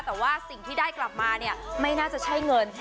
แต่ว่าสิ่งที่ได้กลับมาเนี่ยไม่น่าจะใช่เงิน